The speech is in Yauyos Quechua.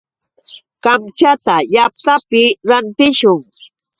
Kamchata llaqtapi rantishun.